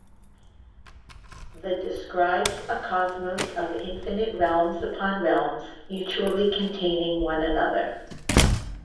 The describes a cosmos of infinite realms upon realms, mutually containing one another.